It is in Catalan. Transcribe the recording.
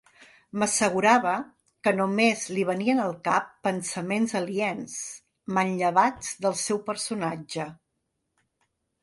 M'assegurava que només li venien al cap pensaments aliens, manllevats del seu personatge.